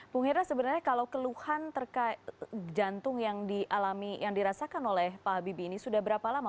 bung hira sebenarnya kalau keluhan terkait jantung yang dialami yang dirasakan oleh pak habibie ini sudah berapa lama